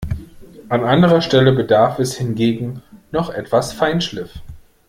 An anderer Stelle bedarf es hingegen noch etwas Feinschliff.